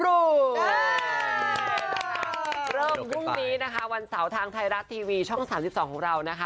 เริ่มพรุ่งนี้นะคะวันเสาร์ทางไทยรัฐทีวีช่อง๓๒ของเรานะคะ